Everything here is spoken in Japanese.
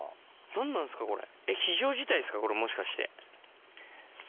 何なんですかこれ。